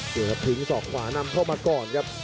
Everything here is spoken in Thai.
เดี๋ยวครับถิงสอกขวานำเข้ามาก่อนครับ